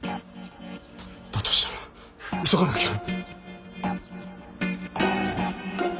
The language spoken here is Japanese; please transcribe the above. だとしたら急がなきゃ。